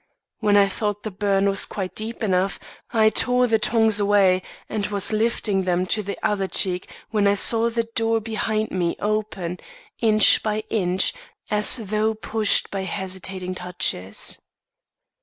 When I thought the burn was quite deep enough, I tore the tongs away, and was lifting them to the other cheek when I saw the door behind me open, inch by inch, as though pushed by hesitating touches.